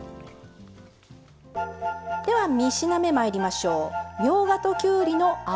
では３品目まいりましょう。